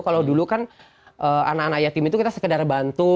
kalau dulu kan anak anak yatim itu kita sekedar bantu